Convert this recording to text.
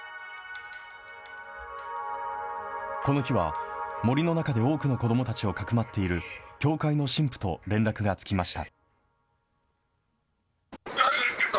この日は、森の中で多くの子どもたちをかくまっている教会の神父と連絡がつきました。